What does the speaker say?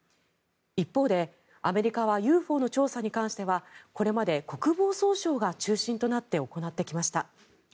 一方で、アメリカはＵＦＯの調査に関してはこれまで、国防総省が中心となって行ってきました。